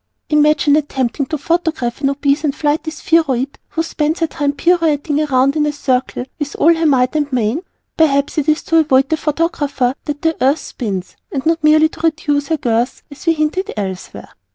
Imagine attempting to photograph an obese and flighty Spheroid who spends her time pirouetting round in a circle with all her might and main. Perhaps it is to avoid the photographer that the Earth spins, and not merely to reduce her girth as we hinted elsewhere.